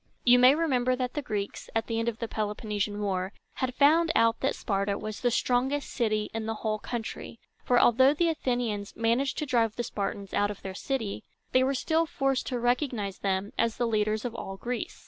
You may remember that the Greeks, at the end of the Peloponnesian War, had found out that Sparta was the strongest city in the whole country; for, although the Athenians managed to drive the Spartans out of their city, they were still forced to recognize them as the leaders of all Greece.